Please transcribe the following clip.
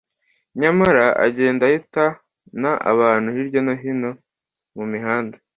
nyamara agenda ahitana abantu hirya no hino mu mihanda